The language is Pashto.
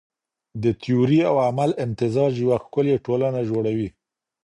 د تيوري او عمل امتزاج يوه ښکلې ټولنه جوړوي.